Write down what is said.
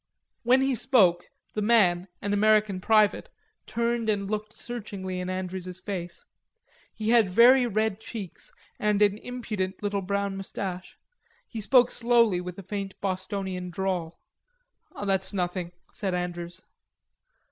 When he spoke, the man, an American private, turned and looked searchingly in Andrews's face. He had very red cheeks and an impudent little brown mustache. He spoke slowly with a faint Bostonian drawl. "That's nothing," said Andrews.